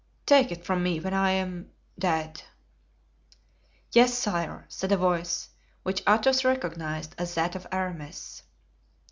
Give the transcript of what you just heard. Take it from me when I am—dead." "Yes, sire," said a voice, which Athos recognized as that of Aramis.